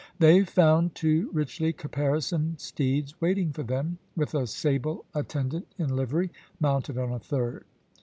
They found two richly caparisoned steeds waiting for them, with a sable attendant in livery, mounted on a third.